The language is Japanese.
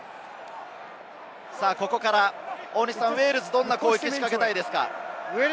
ウェールズはどんな攻撃を仕掛けたいですか？